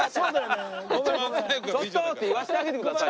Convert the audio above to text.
ちょっと！って言わせてあげてくださいよ。